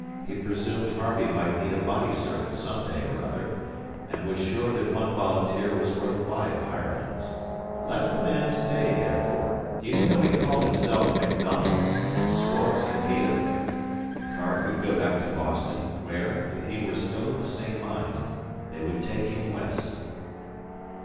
He presumed Harvey might need a body servant some day or other, and was sure that one volunteer was worth five hirelings. Let the man stay, therefore; even though he called himself MacDonald and swore in Gaelic. The car could go back to Boston, where, if he were still of the same mind, they would take him West.